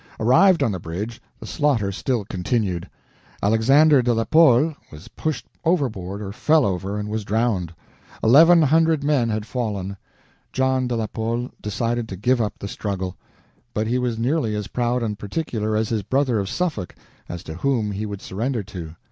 Arrived on the bridge, the slaughter still continued. Alexander de la Pole was pushed overboard or fell over, and was drowned. Eleven hundred men had fallen; John de la Pole decided to give up the struggle. But he was nearly as proud and particular as his brother of Suffolk as to whom he would surrender to.